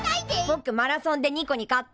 ぼくマラソンでニコに勝った。